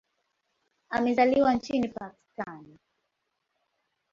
Amezaliwa nchini Pakistan.